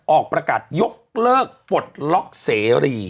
ออกประกาศยกเลิกปลดล็อกเสรี